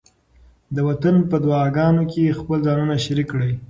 د وطن په دعاګانو کې خپل ځانونه شریک کړئ.